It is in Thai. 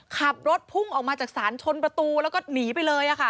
ขับรถพุ่งออกมาจากศาลชนประตูแล้วก็หนีไปเลย